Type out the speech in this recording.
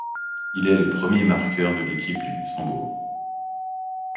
Il est le premier marqueur de l'équipe du Luxembourg.